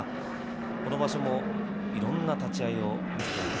今場所もいろんな立ち合いを見せてくれています